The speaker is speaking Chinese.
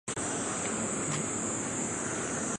圣马丁乡人口变化图示